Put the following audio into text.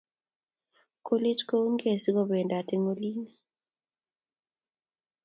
Kolech kounkey sikobendat eng' olin